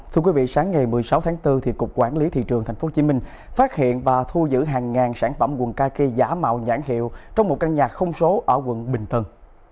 thưa quý vị sáng ngày một mươi sáu tháng bốn cục quản lý thị trường tp hcm phát hiện và thu giữ hàng ngàn sản phẩm quần cà phê giả mạo nhãn hiệu trong một căn nhà không số ở quận bình tân